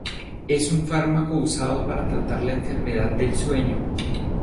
Es un fármaco usado para tratar la enfermedad del sueño.